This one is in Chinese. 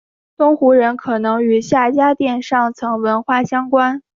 东胡人可能与夏家店上层文化相关。